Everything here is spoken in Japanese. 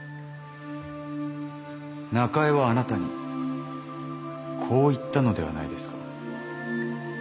中江はあなたにこう言ったのではないですか？